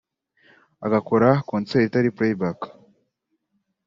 agakora concert itari play back